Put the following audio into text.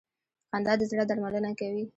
• خندا د زړه درملنه کوي.